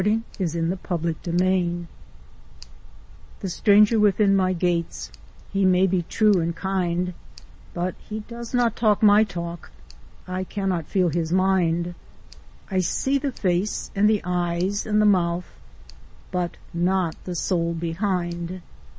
MORE OBSTACLES TO ASSIMILATION The Stranger within my gates, He may be true and kind, But he does not talk my talk I cannot feel his mind. I see the face and the eyes and the mouth, But not the soul behind.